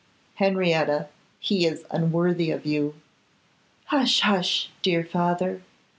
'Henrietta, he is unworthy of you.' 'Hush! hush! dear father.